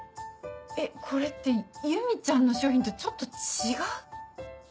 えっこれってゆみちゃんの商品とちょっと違う？